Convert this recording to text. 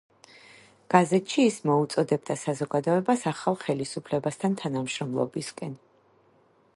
გაზეთში ის მოუწოდებდა საზოგადოებას ახალ ხელისუფლებასთან თანამშრომლობისკენ.